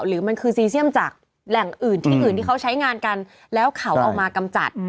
หรือมันคือซีเซียมจากแหล่งอื่นที่อื่นที่เขาใช้งานกันแล้วเขาเอามากำจัด